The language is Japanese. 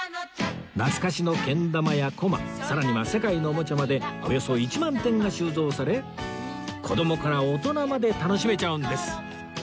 懐かしのけん玉やコマさらには世界のおもちゃまでおよそ１万点が収蔵され子供から大人まで楽しめちゃうんです